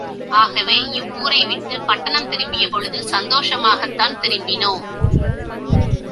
ஆகவே இவ்வூரைவிட்டுப் பட்டணம் திரும்பியபொழுது சந்தோஷமாகத்தான் திரும்பினோம்.